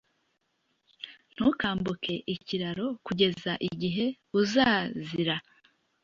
Ntukambuke ikiraro kugeza igihe uzazira